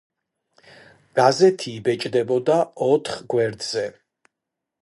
გაზეთი იბეჭდებოდა ოთხ გვერდზე.